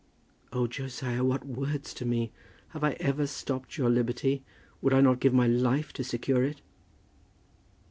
"Oh, Josiah, what words to me! Have I ever stopped your liberty? Would I not give my life to secure it?"